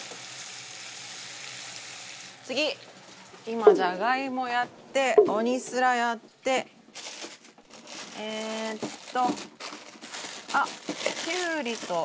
今じゃがいもやってオニスラやってえーっと。